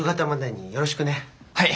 はい！